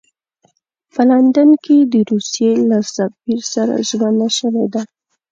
په لندن کې د روسیې له سفیر سره ژمنه شوې ده.